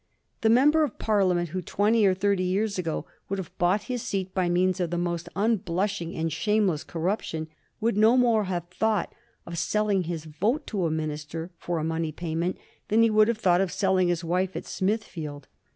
The member of Parliament who, twenty or thirty years ago, would have bought his seat by means of the most unblushing and shameless corruption, would no more have thought of selling his vote to a minister for a money payment than he would have thought of selling his wife at Smithfield.